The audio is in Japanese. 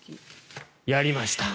やりました。